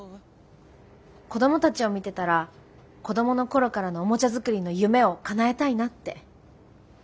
子どもたちを見てたら子どもの頃からのおもちゃ作りの夢をかなえたいなって。